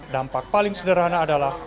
dampak paling sederhana adalah